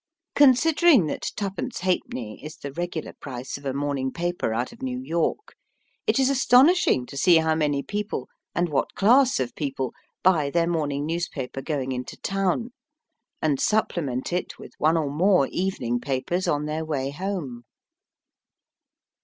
Considering that twopence halfpenny is the regular price of a morning paper out of New York, it is astonishing to see how many people and what class of people buy their morning newspaper going into town, and supplement it with one or more evening papers on their way home.